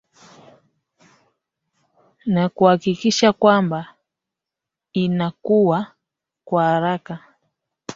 na kuhakikisha kwamba inakuwa kwa haraka